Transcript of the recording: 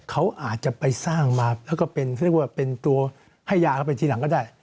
เขาอาจจะไปสร้างมาแล้วก็เป็นตัวให้ยากลับไปทีหลังก็ได้